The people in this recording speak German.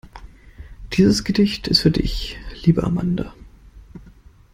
Dieses Gedicht ist für dich, liebe Amanda.